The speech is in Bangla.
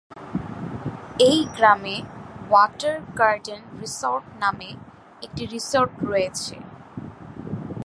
এই গ্রামে ওয়াটার গার্ডেন রিসোর্ট নামে একটি রিসোর্ট রয়েছে।